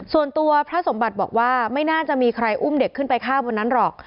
ส่วนตัวพระสมบัติบอกว่าไม่น่าจะมีใครอุ้มเด็กขึ้นไปฆ่าบนนั้นหรอก